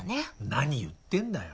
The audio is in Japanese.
何言ってんだよ。